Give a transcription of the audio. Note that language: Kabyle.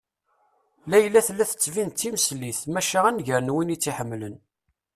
Layla tella tettbin-d timelsit maca a nnger n win i tt-iḥemmlen.